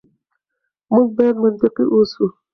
موږ بايد منطقي اوسو.